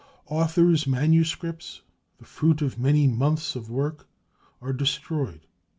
Authors' manuscripts, the fruit of many months of work, are destroyed.